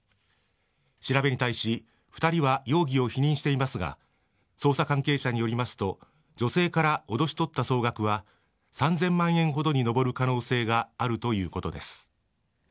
調べに対し２人は容疑を否認していますが捜査関係者によりますと女性からおどし取った総額は３０００万円ほどに上る可能性があるということです。